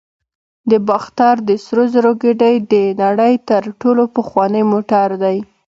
د باختر د سرو زرو ګېډۍ د نړۍ تر ټولو پخوانی موټر دی